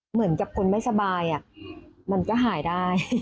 เหมือนกับคนไม่สบายมันก็หายได้